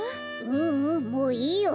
ううんもういいよ。